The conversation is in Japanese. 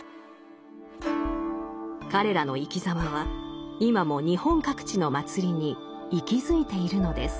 彼らの生きざまは今も日本各地の祭りに息づいているのです。